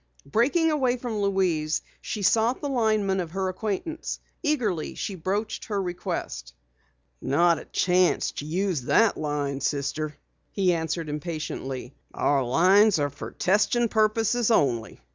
Breaking away from Louise, she sought the lineman of her acquaintance. Eagerly she broached her request. "Not a chance to use that line, Sister," he answered impatiently. "Our 'phones are for testing purposes only."